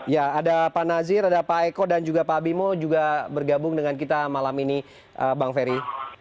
ya ada pak nazir ada pak eko dan juga pak abimo juga bergabung dengan kita malam ini bang ferry